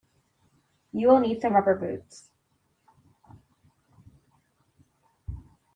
You will need some rubber boots.